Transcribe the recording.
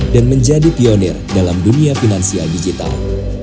dan menjadi pionir dalam dunia finansial digital